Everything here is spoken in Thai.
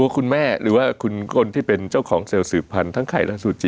คุณแม่หรือว่าคุณคนที่เป็นเจ้าของเซลล์สืบพันธุ์ทั้งไข่และซูจิ